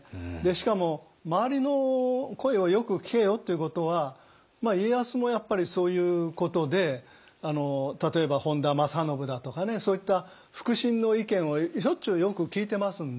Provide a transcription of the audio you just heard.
しかも周りの声をよく聞けよっていうことは家康もやっぱりそういうことで例えば本多正信だとかねそういった腹心の意見をしょっちゅうよく聞いてますんで。